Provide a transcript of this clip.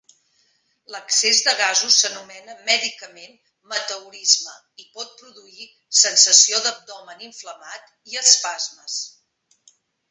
L'excés de gasos s'anomena mèdicament meteorisme i pot produir sensació d'abdomen inflamat i espasmes.